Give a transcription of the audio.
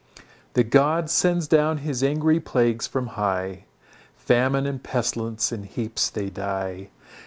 The God sends down his angry plagues from high, Famine and pestilence in heaps they die.